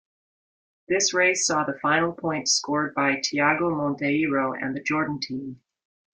This race saw the final points scored by Tiago Monteiro and the Jordan team.